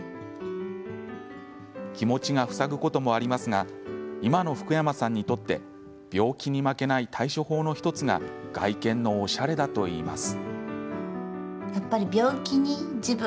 気持ちが塞ぐこともありますが今の福山さんにとって病気に負けない対処法の１つが外見のおしゃれだといいます。